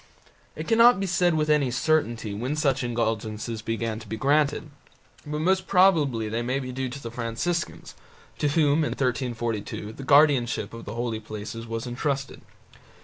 It cannot be said with any certainty when such indulgences began to be granted, but most probably they may be due to the Franciscans, to whom in 1342 the guardianship of the holy places was entrusted.